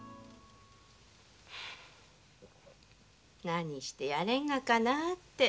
何してやれんがかなって。